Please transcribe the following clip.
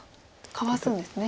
かわすんですね。